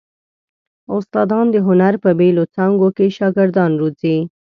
استادان د هنر په بېلو څانګو کې شاګردان روزي.